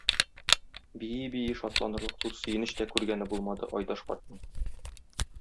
Бии-бии шатланырлык зур сөенеч тә күргәне булмады Айдаш картның.